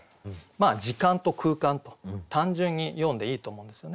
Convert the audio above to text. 時間と空間と単純によんでいいと思うんですよね。